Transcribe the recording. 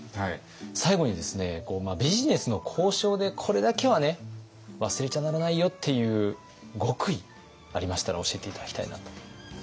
最後にですねビジネスの交渉でこれだけは忘れちゃならないよっていう極意ありましたら教えて頂きたいなと。